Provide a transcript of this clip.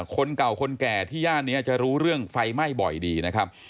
คนเก่าคนแก่ที่ย่านนี้จะรู้เรื่องไฟไหม้บ่อยดีนะครับ